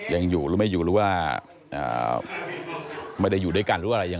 ยังอยู่หรือไม่อยู่หรือว่าไม่ได้อยู่ด้วยกันหรืออะไรยังไง